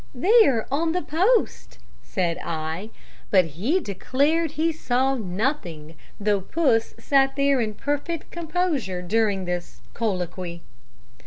"'There on the post,' said I, but he declared he saw nothing, though puss sat there in perfect composure during this colloquy.